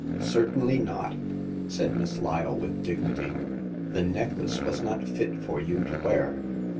Certainly not !"' said Miss Lyle, with dignity. "The necklace was not fit for you to wear.